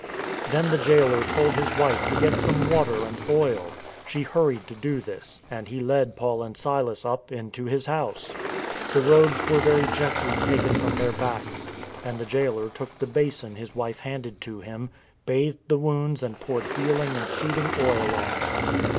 Then the jailer told his wife to get some water and oil. She hurried to do this, and he led Paul and Silas up into his house. The robes were very gently taken from their backs, and the jailer took the basin his wife handed to him, bathed the wounds and poured healing and soothing oil on them.